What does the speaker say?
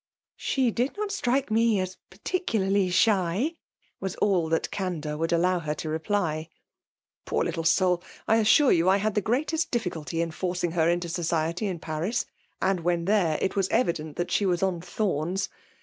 '' She did not strike me as particularly shy/' ^as all that candour would allow her to reply. *' Poor little soul ! I assure you I had the greateiSt difficulty in forcing her into society in Paris ; and when there, it was evident that she was on thorns.